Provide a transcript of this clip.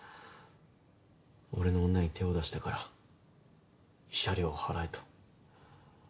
俺の女に手を出したから慰謝料を払えと。